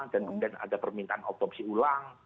dan kemudian ada permintaan otopsi ulang